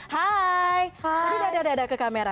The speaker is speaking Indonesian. hai di dadah dadah ke kamera